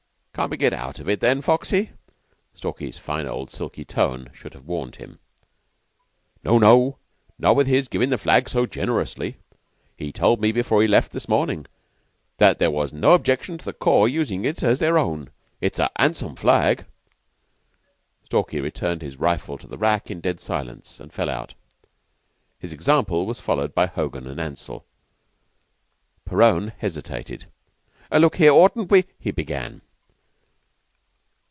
"Can't we get out of it, then, Foxy?" Stalky's fine old silky tone should have warned him. "No, not with his giving the flag so generously. He told me before he left this morning that there was no objection to the corps usin' it as their own. It's a handsome flag." Stalky returned his rifle to the rack in dead silence, and fell out. His example was followed by Hogan and Ansell. Perowne hesitated. "Look here, oughtn't we ?" he began.